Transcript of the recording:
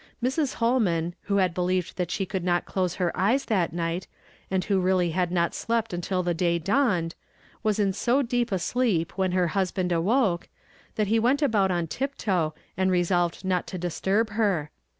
Mrs. Holnian, who had believed that she eould not close her eyes that night, and who really had not slept nntii the (hiy dawned, was in so deep a sleep when her liusband awoke, that he went about on tii> toe, and resolved not to disturb her.